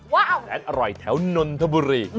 ว้าวและอร่อยแถวนนทบุรี